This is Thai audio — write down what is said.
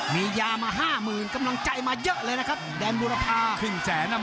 มียามาห้าหมื่นกำลังใจมาเยอะเลยแดนบูนภาษา